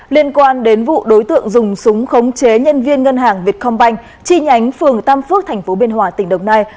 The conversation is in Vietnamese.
liên quan đến vụ đối tượng dùng súng khống chế nhân viên ngân hàng vietcombank chi nhánh phường tam phước thành phố biên hòa tỉnh đồng nai